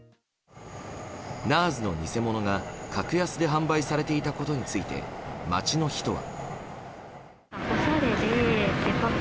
ＮＡＲＳの偽物が格安で販売されていたことについて街の人は。